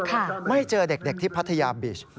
ไม่เจอเด็กที่พัทยาบิช